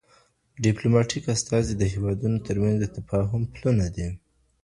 ډیپلوماټیک استازي د هیوادونو ترمنځ د تفاهم پلونه دي.